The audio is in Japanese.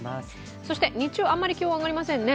日中、あまり気温が上がりませんね